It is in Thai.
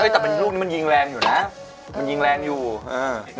แต่รูปนี้มันยิงแรงอยู่นะ